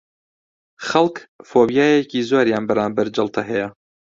خەڵک فۆبیایەکی زۆریان بەرامبەر جەڵتە هەیە